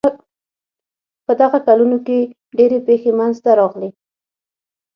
په دغو کلونو کې ډېرې پېښې منځته راغلې.